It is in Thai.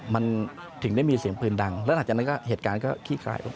มันถึงได้มีเสียงปืนดังแล้วหลังจากนั้นก็เหตุการณ์ก็ขี้คลายลง